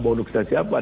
bonduk kita siapkan